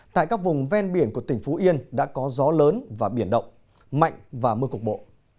tại các vùng ven biển của tỉnh phú yên đã có gió lớn và biển động mạnh và mưa cục bộ